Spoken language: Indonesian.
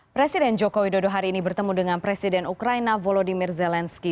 presiden joko widodo hari ini bertemu dengan presiden ukraina volodymyr zelensky